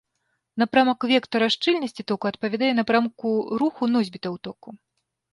Напрамак вектара шчыльнасці току адпавядае напрамку руху носьбітаў току.